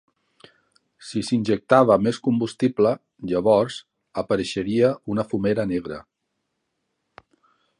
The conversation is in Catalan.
Si s'injectava més combustible, llavors apareixeria una fumera negra.